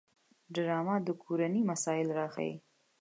ډرامه د کورنۍ مسایل راخلي